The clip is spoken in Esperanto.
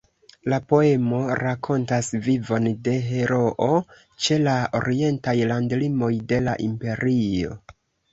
La poemo rakontas vivon de heroo ĉe la orientaj landlimoj de la Imperio.